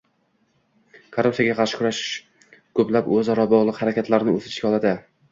Korruptsiyaga qarshi kurash ko'plab o'zaro bog'liq harakatlarni o'z ichiga oladi